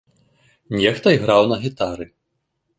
Нехта іграў на гітары.